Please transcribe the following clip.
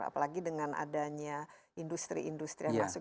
apalagi dengan adanya industri industri yang masuk